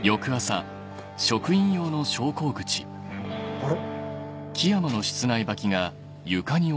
あれ？